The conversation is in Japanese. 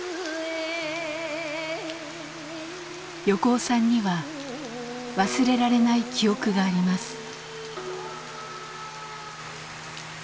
横尾さんには忘れられない記憶があります。